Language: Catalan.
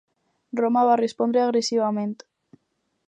Roma va respondre agressivament.